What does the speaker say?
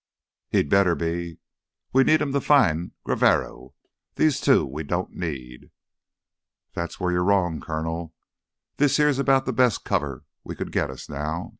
"He'd better be. We need him to find Graverro. These two we don't need." "That's where you're wrong, Colonel. This here's about th' best cover we could git us now."